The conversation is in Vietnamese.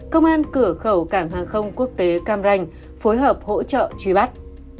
công an cửa khẩu cảng hàng không quốc tế cam ranh phối hợp hỗ trợ truy bắt